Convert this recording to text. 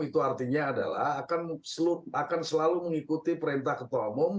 itu artinya adalah akan selalu mengikuti perintah ketua umum